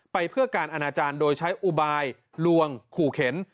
ไปเพื่อการอนาจารย์โดยใช้อุบายลวงขู่เข็น